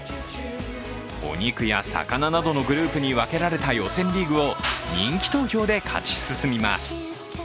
お肉や魚などのグループに分けられた予選リーグを人気投票で勝ち進みます。